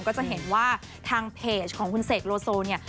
ก็จะเห็นว่าทางเพจของคุณเสกโลโซเนี่ย